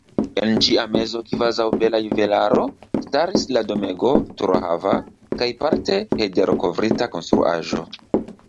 En ĝia mezo, kvazaŭ bela juvelaro, staris la domego, turohava kaj parte hederokovrita konstruaĵo.